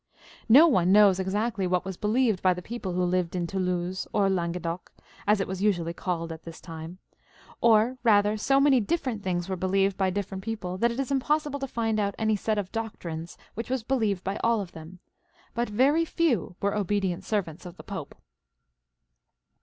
No one knows exactly what was believed by the people who lived in Toulouse, or Languedoc, as it was usually called at this time ; or rather, so many different things were believed by different people, that it is impos 104 PHILIP IL {AUGUSTE), [CH. r r r ■ ii ''' sible to find out any set of opinions whichi was believed by all of them, but very few were obedient servants of the Pope.